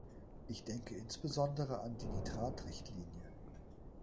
Ich denke insbesondere an die Nitratrichtlinie.